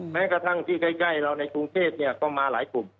แม้กระทั่งที่ใกล้เราในกรุงเทพก็มาหลายกลุ่ม